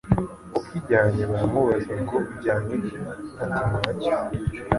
ukijyanye baramubaza ngo Ujyanye iki? Ati Nta cyo